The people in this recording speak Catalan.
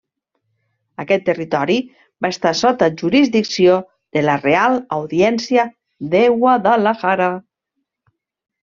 Aquest territori va estar sota jurisdicció de la Real Audiència de Guadalajara.